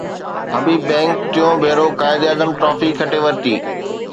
حبيب bank ٽيون ڀيرو Quaid e Azam trophy کٽي ورتي